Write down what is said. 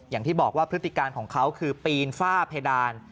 อย่างที่บอกว่าพฤติการของเขาคือปีนฝ้าเพดาน